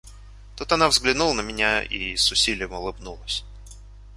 Тут она взглянула на меня и с усилием улыбнулась.